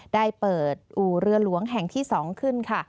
ได้เปิดอู่เรือหลวงแห่งที่๒ขึ้นค่ะ